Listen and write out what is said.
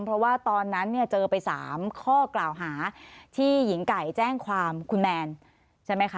เพราะว่าตอนนั้นเนี่ยเจอไป๓ข้อกล่าวหาที่หญิงไก่แจ้งความคุณแมนใช่ไหมคะ